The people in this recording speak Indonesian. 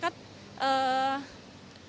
dari tadi menyebutkan